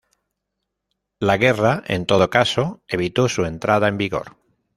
La guerra, en todo caso, evitó su entrada en vigor.